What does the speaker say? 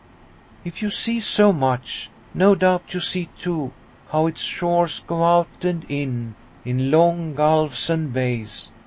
" If you see so much, no doubt you see, too, how its shores go out and in, in long gulfs and bays.